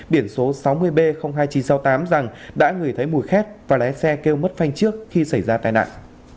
biển số sáu mươi b hai nghìn chín trăm sáu mươi tám rằng đã ngửi thấy mùi khét và lái xe kêu mất phanh trước khi xảy ra tai nạn